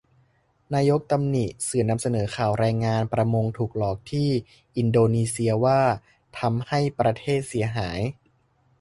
นายกตำหนิสื่อนำเสนอข่าวแรงงานประมงถูกหลอกที่อินโดนีเชีย ว่าทำให้ประเทศเสียหาย